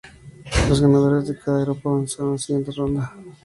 Los ganadores de cada grupo avanzaron a la siguiente ronda.